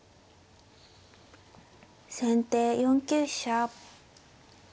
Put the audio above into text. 先手４九飛車。